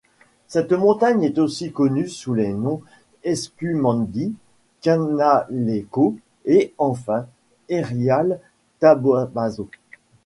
Cette montagne est aussi connue sous les noms Ezkumendi, Kanaleko et enfin Errialtabaso.